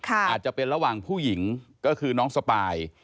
อาจจะเป็นระหว่างผู้หญิงก็คือน้องสปาย